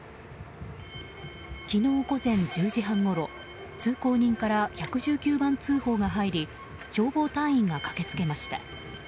昨日午前１０時半ごろ通行人から１１９番通報が入り消防隊員が駆けつけました。